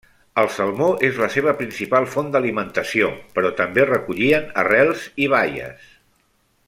El salmó és la seva principal font d'alimentació, però també recollien arrels i baies.